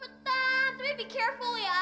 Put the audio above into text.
cepetan tapi hati hati ya